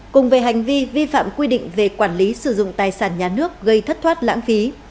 cùng về hành vi vi phạm quy định về quản lý sử dụng tài sản nhà nước gây thất thoát lãng phí